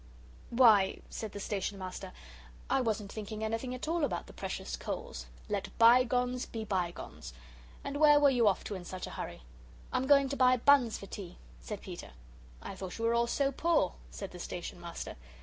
"Why," said the Station Master, "I wasn't thinking anything at all about the precious coals. Let bygones be bygones. And where were you off to in such a hurry?" "I'm going to buy buns for tea," said Peter. "I thought you were all so poor," said the Station Master.